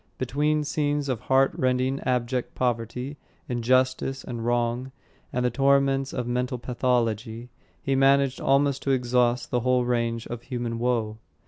Between scenes of heart rending, abject poverty, injustice, and wrong, and the torments of mental pathology, he managed almost to exhaust the whole range of human woe.